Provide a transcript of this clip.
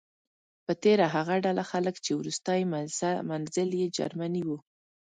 په تیره هغه ډله خلک چې وروستی منزل یې جرمني و.